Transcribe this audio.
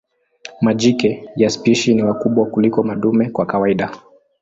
Majike ya spishi ni wakubwa kuliko madume kwa kawaida.